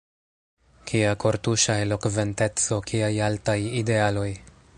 Kia kortuŝa elokventeco; kiaj altaj idealoj!